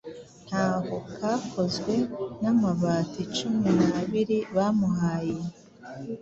ntaho kakozwe n’amabati cumi nabiri bamuhaye,